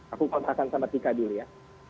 aku kontrakan sama tika dulu ya